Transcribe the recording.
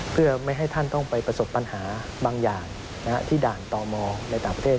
เพื่อไม่ให้ท่านต้องไปประสบปัญหาบางอย่างที่ด่านต่อมอในต่างประเทศ